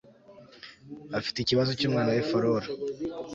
afite ikibazo cyumwana we forora